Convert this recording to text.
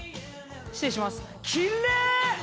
失礼します。